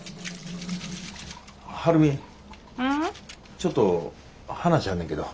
ちょっと話あんねんけど。